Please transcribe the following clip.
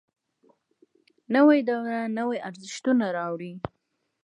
نوې دوره نوي ارزښتونه راوړي